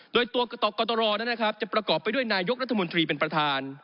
โดยต่อกตกตรนั้นนะครับจะประกอบไปด้วยนายกรัฐมนตรีเป็นประธาน